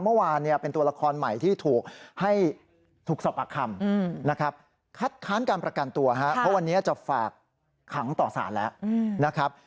เมื่อวานเนี่ยเป็นตัวละครใหม่ที่ถูกให้ถูกสอบปากคำนะครับคัดค้านการประกันตัวครับเพราะวันนี้จะฝากขังต่อสารแล้วนะครับ